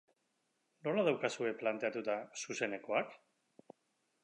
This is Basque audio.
Nola dauzkazue planteatuta zuzenekoak?